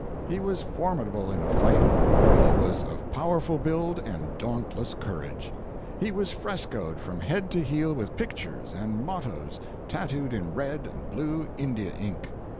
He was formidable in a fight, for he was of powerful build and dauntless courage. He was frescoed from head to heel with pictures and mottoes tattooed in red and blue India ink.